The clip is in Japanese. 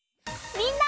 みんな！